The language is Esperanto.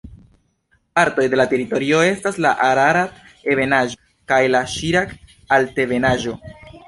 Partoj de la teritorio estas la Ararat-ebenaĵo kaj la Ŝirak-altebenaĵo.